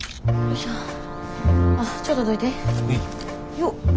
よっ。